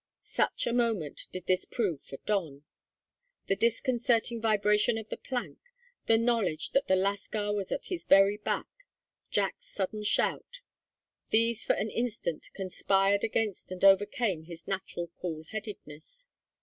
Such a moment did this prove for Don. The disconcerting vibration of the plank, the knowledge that the lascar was at his very back, Jack's sudden shout these for an instant conspired against and overcame his natural cool headedness.